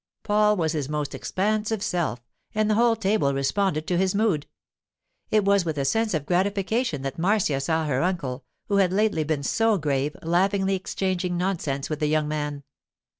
Paul was his most expansive self, and the whole table responded to his mood. It was with a sense of gratification that Marcia saw her uncle, who had lately been so grave, laughingly exchanging nonsense with the young man.